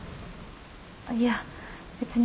いや別に。